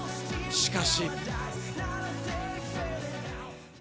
しかし。